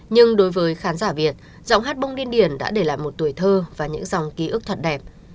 nhưng đối với khán giả việt giọng hát bông điên điển đã để lại một tuổi thơ và những dòng ký ức thật đẹp